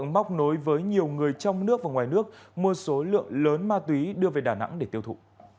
móc nối với nhiều người trong nước và ngoài nước mua số lượng lớn ma túy đưa về đà nẵng để tiêu thụ